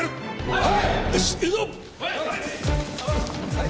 はい！